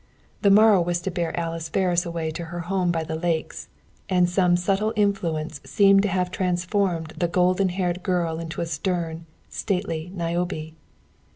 The morrow was to bear Alice Ferris away to her home by the lakes, and some subtle influence seemed to have transformed the golden haired girl into a stern, stately Niobe.